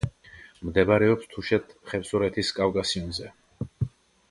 მდებარეობს თუშეთ-ხევსურეთის კავკასიონზე.